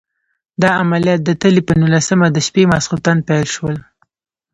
دا عملیات د تلې په نولسم د شپې ماخوستن پیل شول.